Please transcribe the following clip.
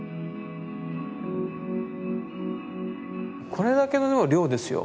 これだけの量ですよ。